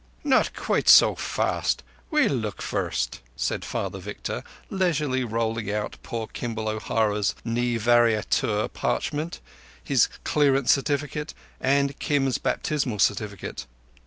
"Not quite so fast. We'll look first," said Father Victor, leisurely rolling out poor Kimball O'Hara's "ne varietur" parchment, his clearance certificate, and Kim's baptismal certificate.